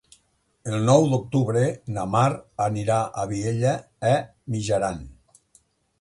El nou d'octubre na Mar anirà a Vielha e Mijaran.